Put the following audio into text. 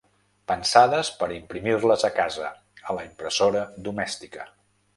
Pensades per a imprimir-les a casa, a l’impressora domèstica.